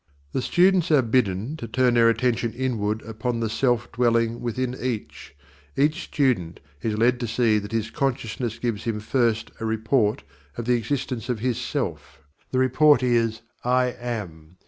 The students are bidden to turn their attention inward upon the Self dwelling within each. Each student is led to see that his consciousness gives him first a report of the existence of his Self the report is "I Am."